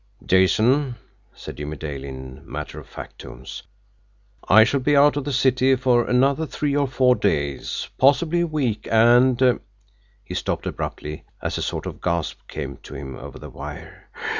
"Jason," said Jimmie Dale, in matter of fact tones, "I shall be out of the city for another three or four days, possibly a week, and " he stopped abruptly, as a sort of gasp came to him over the wire.